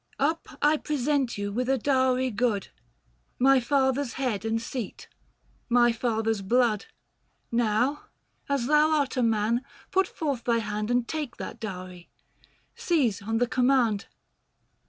715 Up, I present you with a dowry good — My father's head and seat, my father's blood. Now, as thou art a man, put forth thy hand And take that dowry — seize on the command.